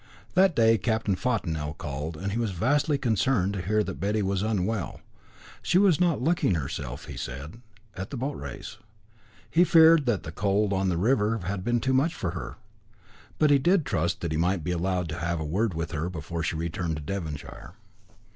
That day Captain Fontanel called, and was vastly concerned to hear that Betty was unwell. She was not looking herself, he said, at the boat race. He feared that the cold on the river had been too much for her. But he did trust that he might be allowed to have a word with her before she returned to Devonshire.